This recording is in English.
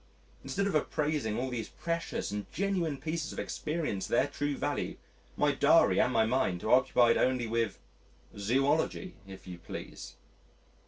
Instead of appraising all these precious and genuine pieces of experience at their true value, my diary and my mind were occupied only with Zoology, if you please.